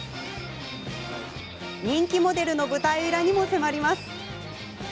人気モデルの舞台裏にも迫ります。